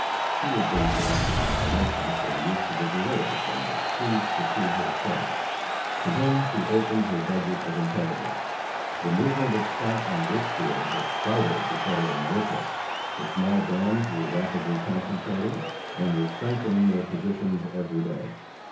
She had been collecting information for the use of the Guerrillas, and was pleased to see her son. To him she opened her budget of intelligence. The movement of Scott on Richfield had startled the Federal militia. The small bands were rapidly concentrating, and were strengthening their position every day.